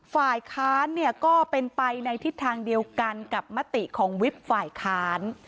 ฝ่ายค้านเนี่ยก็เป็นไปในทิศทางเดียวกันกับมติของวิบฝ่ายค้าน